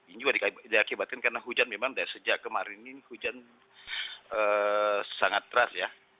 ini juga diakibatkan karena hujan memang dari sejak kemarin ini hujan sangat teras ya